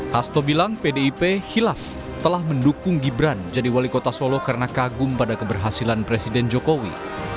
hasto bilang pdip hilaf telah mendukung gibran jadi wali kota solo karena kagum pada keberhasilan presiden jokowi